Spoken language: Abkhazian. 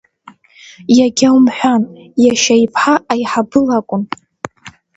Иагьа умҳәан, иашьа иԥҳа аиҳабы лакәын.